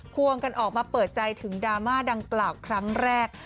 พวกคุณมาเปิดใจถึงดราม่าดังกล่าวกันครั้งแรก